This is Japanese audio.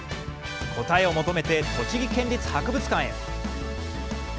答えを求めて栃木県立博物館へ。